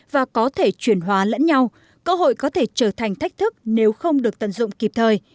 và có thể chuyển hóa lẫn nhau cơ hội có thể trở thành thách thức nếu không được tận dụng kịp thời